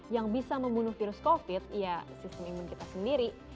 yang bisa membunuh virus covid ya sistem imun kita sendiri